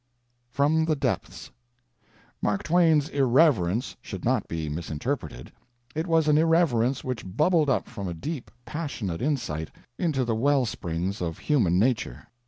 FROM THE DEPTHS Mark Twain's irreverence should not be misinterpreted: it was an irreverence which bubbled up from a deep, passionate insight into the well springs of human nature.